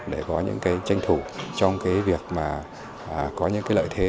để có những tranh thủ trong việc có những lợi thế